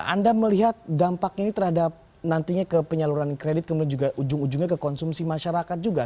anda melihat dampaknya ini terhadap nantinya ke penyaluran kredit kemudian juga ujung ujungnya ke konsumsi masyarakat juga